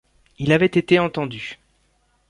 Il avait été entendu.